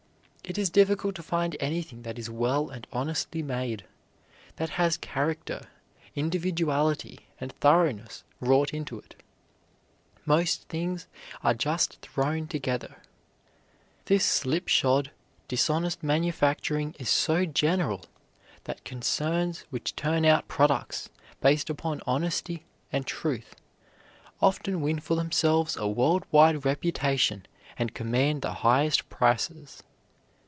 It is difficult to find anything that is well and honestly made, that has character, individuality and thoroughness wrought into it. Most things are just thrown together. This slipshod, dishonest manufacturing is so general that concerns which turn out products based upon honesty and truth often win for themselves a world wide reputation and command the highest prices.